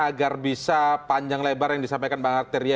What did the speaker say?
agar bisa panjang lebar yang disampaikan bang arteria